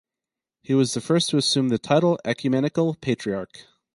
He was the first to assume the title "Ecumenical Patriarch".